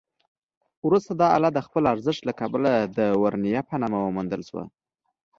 وروسته دا آله د خپل ارزښت له کبله د ورنیه په نامه ونومول شوه.